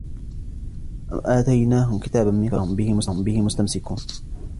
أم آتيناهم كتابا من قبله فهم به مستمسكون